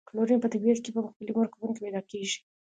کلورین په طبیعت کې په مختلفو مرکبونو کې پیداکیږي.